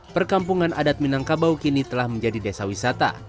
perkampungan adat minangkabau kini telah menjadi desa wisata